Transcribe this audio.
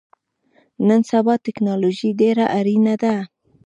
نن سبا ټکنالوژی ډیره اړینه ده